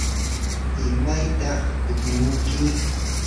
¿imaytaq kutimunki?